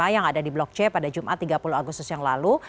yang ada di blok c pada jumat tiga puluh agustus yang lalu